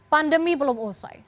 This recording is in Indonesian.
pandemi belum usai